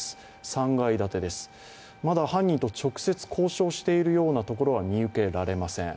３階建てです、まだ、犯人と直接交渉しているところは見受けられません。